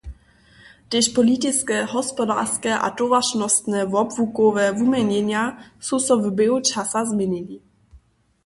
Tež politiske, hospodarske a towaršnostne wobłukowe wuměnjenja su so w běhu časa změnili.